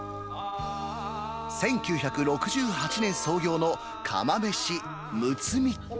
１９６８年創業の釜めしむつみ。